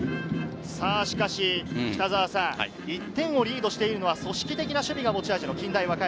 しかし１点をリードしてるのは組織的な守備が持ち味の近大和歌山。